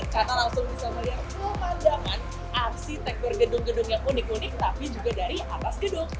karena langsung bisa melihat pemandangan arsitektur gedung gedung yang unik unik tapi juga dari atas gedung